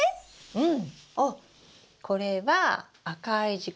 うん。